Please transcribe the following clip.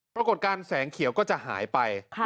ปรากฏการณ์แสงเขียวก็จะหายไป